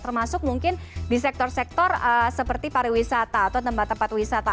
termasuk mungkin di sektor sektor seperti pariwisata atau tempat tempat wisata